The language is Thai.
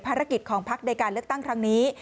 ภารกิจของพักในการเลือกตั้งครั้งนี้